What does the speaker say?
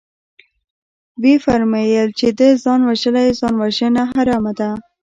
ويې فرمايل چې ده ځان وژلى ځانوژنه حرامه ده.